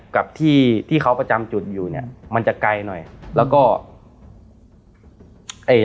กับที่ที่เขาประจำจุดอยู่เนี้ยมันจะไกลหน่อยแล้วก็ไอ้